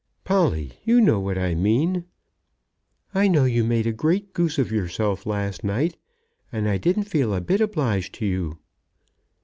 "Polly, you know what I mean." "I know you made a great goose of yourself last night, and I didn't feel a bit obliged to you."